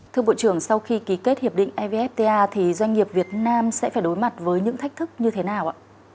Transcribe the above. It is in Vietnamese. thưa bộ trưởng sau khi ký kết hiệp định evfta thì doanh nghiệp việt nam sẽ phải đối mặt với những thách thức như thế nào ạ